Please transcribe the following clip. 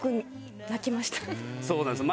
そうなんですよ。